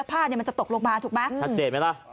ผ้าเนี่ยมันจะตกลงมาถูกไหมชัดเจนไหมล่ะ